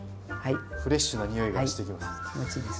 フレッシュなにおいがしてきます。